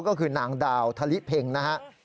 ก็คือนางดาวทะลิเพ็งนะครับ